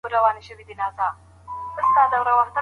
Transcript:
د روغتون احصائیه چاته استول کیږي؟